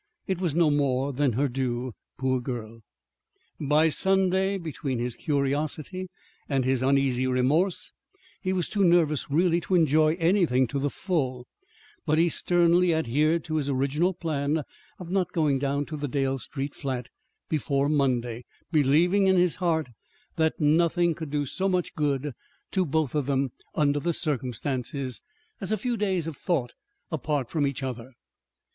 It was no more than her due, poor girl! By Sunday, between his curiosity and his uneasy remorse, he was too nervous really to enjoy anything to the full; but he sternly adhered to his original plan of not going down to the Dale Street flat before Monday, believing, in his heart, that nothing could do so much good to both of them, under the circumstances, as a few days of thought apart from each other.